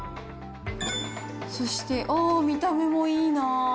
そして、ああ、見た目もいいな。